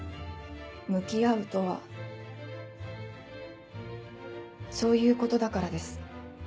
向き合うとはそういうことだからです。